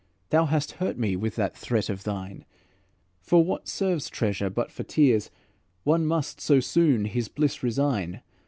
Thou hast hurt me with that threat of thine. For what serves treasure but for tears, One must so soon his bliss resign?